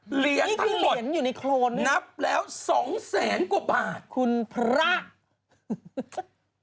เหรียญทั้งหมดนับแล้ว๒๐๐๐๐๐กว่าบาทนี่คือเหรียญอยู่ในโคโรนด้วย